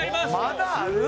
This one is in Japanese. まだある？